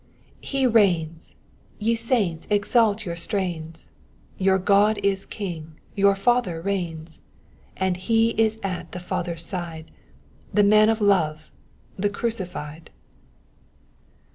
" He reiiois ! Yc ealnts, exalt your strains : Your God is Kinar, your Father reigns : And lie Is at the Father^s side, The Man of love, the Crucilied."